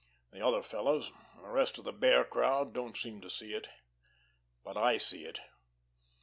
The other fellows, the rest of this Bear crowd, don't seem to see it, but I see it.